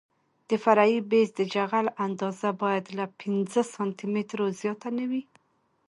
د فرعي بیس د جغل اندازه باید له پنځه سانتي مترو زیاته نه وي